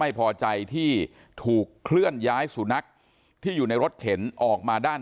ไม่พอใจที่ถูกเคลื่อนย้ายสุนัขที่อยู่ในรถเข็นออกมาด้าน